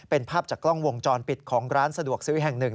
เป็นภาพจากกล้องวงจรปิดของร้านสะดวกซื้อแห่งหนึ่ง